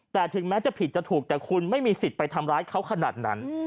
แต่ถึงแม้จะผิดจะถูกแต่คุณไม่มีสิทธิ์ไปทำร้ายเขาขนาดนั้น